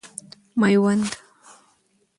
میوند